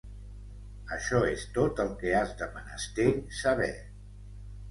Això és tot el que has de menester saber.